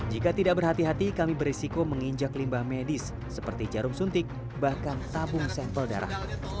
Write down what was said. jika tidak berhati hati kami berisiko menginjak limbah medis seperti jarum suntik bahkan tabung sampel darah